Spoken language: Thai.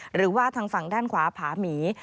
หรือว่าทางฝั่งด้านขวาผาหมี